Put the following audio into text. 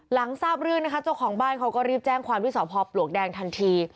หลังทราบเรื่องนะคะเจ้าของบ้านเขาก็รีบแจ้งความที่สอบพอปลวกแดงทันที